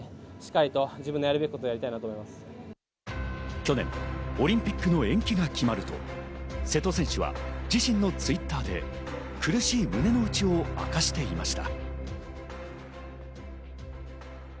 去年、オリンピックの延期が決まると、瀬戸選手は自身のＴｗｉｔｔｅｒで苦しい胸の内を明かしていました。